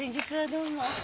どうも。